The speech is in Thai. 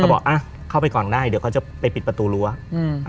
บอกอ่ะเข้าไปก่อนได้เดี๋ยวเขาจะไปปิดประตูรั้วอืม